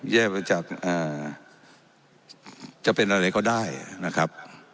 มาจากจะเป็นอะไรก็ได้นะครับ